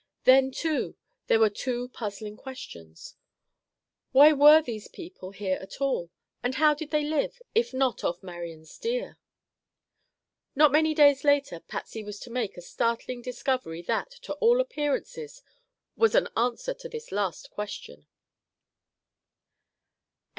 Then, too, there were two puzzling questions: Why were these people here at all; and how did they live, if not off Marian's deer? Not many days later Patsy was to make a startling discovery that, to all appearances, was an answer to this last question.